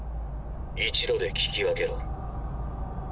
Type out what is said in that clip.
一度で聞き分けろ。